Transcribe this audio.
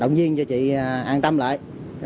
động duyên cho chị an tâm lại